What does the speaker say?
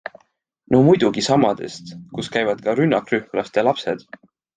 No muidugi samadest, kus käivad ka rünnakrühmlaste lapsed.